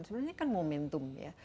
sebenarnya kan momentum